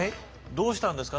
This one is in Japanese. どうしたんですか。